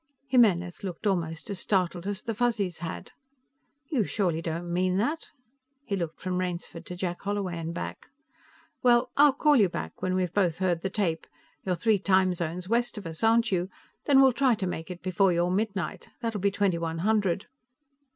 Jimenez looked almost as startled as the Fuzzies had. "You surely don't mean that?" He looked from Rainsford to Jack Holloway and back. "Well, I'll call you back, when we've both heard the tape. You're three time zones west of us, aren't you? Then we'll try to make it before your midnight that'll be twenty one hundred."